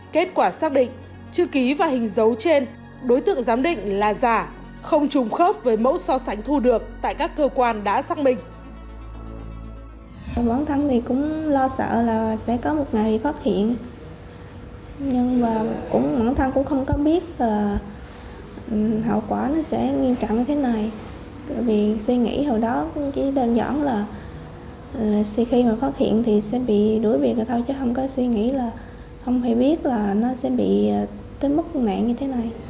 kết quả xác định chư ký và hình dấu trên đối tượng giám định là giả không trùng khớp với mẫu so sánh thu được tại các cơ quan đã xác minh